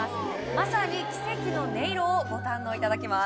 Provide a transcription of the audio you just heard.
まさに奇跡の音色をご堪能いただきます